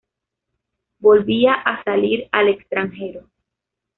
Volvía a salir al extranjero.